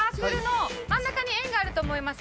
真ん中に円があると思います。